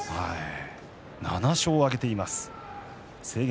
７勝を挙げています。